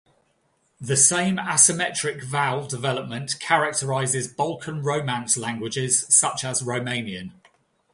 The same asymmetric vowel development characterizes Balkan Romance languages such as Romanian.